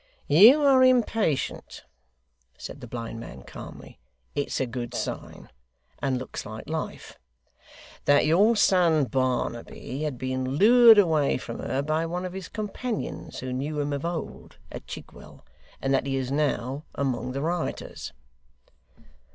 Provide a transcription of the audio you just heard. ' You are impatient,' said the blind man, calmly; 'it's a good sign, and looks like life that your son Barnaby had been lured away from her by one of his companions who knew him of old, at Chigwell; and that he is now among the rioters.